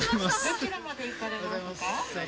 どちらまで行かれますか？